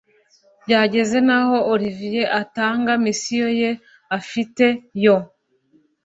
byageze naho olivier atangira mission ye afite yo